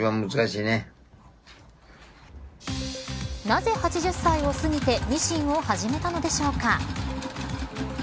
なぜ、８０歳を過ぎてミシンを始めたのでしょうか。